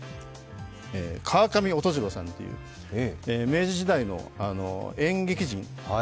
川上音二郎さんという明治時代の演劇人。